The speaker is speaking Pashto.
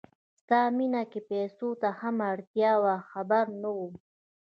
ستا مینه کې پیسو ته هم اړتیا وه خبر نه وم